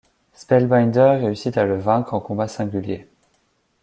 Spellbinder réussit à le vaincre en combat singulier.